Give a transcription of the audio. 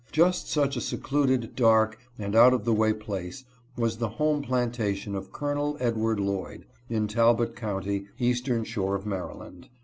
Just such a secluded, dark, and out of the way place was the home plantation of Colonel Edward Lloyd, in Talbot county, eastern shore of Maryland.